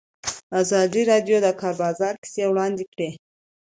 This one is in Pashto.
ازادي راډیو د د کار بازار کیسې وړاندې کړي.